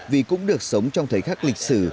vì cũng được sống trong thời khắc lịch sử